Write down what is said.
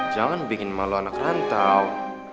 jangan bikin malu anak rantau